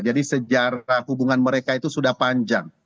jadi sejarah hubungan mereka itu sudah panjang